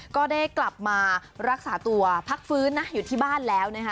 ก็ได้กลับมารักษาตัวพักฟื้นนะอยู่ที่บ้านแล้วนะคะ